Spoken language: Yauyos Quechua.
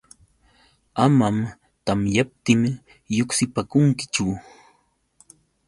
Amam tamyaptin lluqsipaakunkichu.